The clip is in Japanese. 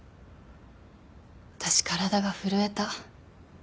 私体が震えた。